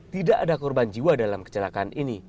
tidak ada korban jiwa dalam kecelakaan ini